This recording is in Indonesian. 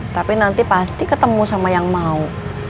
tapi nanti pasti ketemu sama yang mau